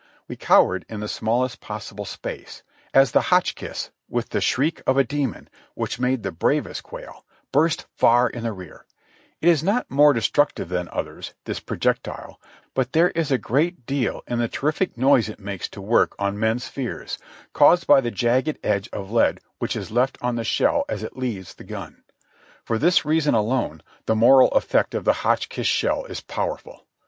We cowered in the smallest possible space as the Hotch kiss, with the shriek of a demon, which made the bravest quail, THE BATTLE OE SHARPSBURG 289 burst far in the rear ; it is not more destructive than others, this projectile, but there is a great deal in the terrific noise it makes to work on men's fears, caused by the jagged edge of lead which is left on the shell as it leaves the gun ; for this reason alone the moral effect of the Hotchkiss shell is powerful.